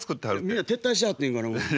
みんな撤退しはってんかなと。